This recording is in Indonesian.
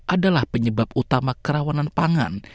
adalah penyebab utama kerawanan pangan